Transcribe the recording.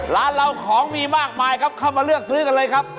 ร้านเราของมีมากมายครับเข้ามาเลือกซื้อกันเลยครับ